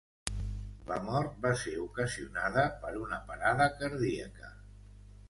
La mort va ser ocasionada per una parada cardíaca.